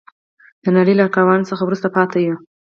د نړۍ له کاروان څخه وروسته پاتې یو.